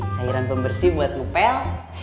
cairan pembersih buat lupel